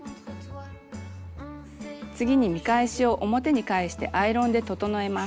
次に見返しを表に返してアイロンで整えます。